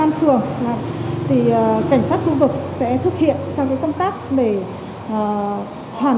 các trường hợp ở ngoại tỉnh và các trường hợp đang thực hiện giãn cắt không lấy được giấy xác nhận